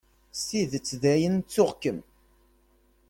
S tidet dayen ttuɣ-kem.